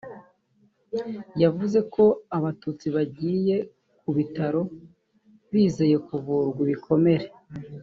yavuze ko Abatutsi bagiye ku bitaro bizeye kuvurwa ibikomere